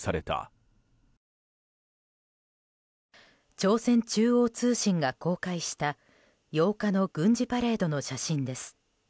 朝鮮中央通信が公開した８日の軍事パレードの写真です。